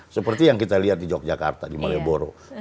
seperti yang kita lihat di yogyakarta di malaya bumbung ya